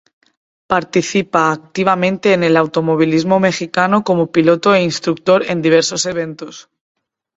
Participa activamente en el automovilismo mexicano como piloto e instructor en diversos eventos.